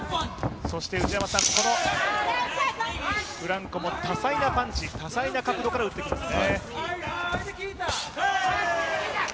フランコも多彩なパンチ多彩な角度から打ってきますね。